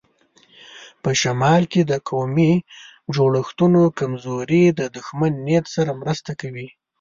په شمال کې د قومي جوړښتونو کمزوري د دښمن نیت سره مرسته کوي.